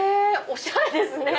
おしゃれですね！